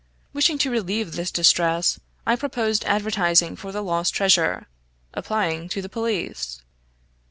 Wishing to relieve this distress, I proposed advertising for the lost treasure applying to the police.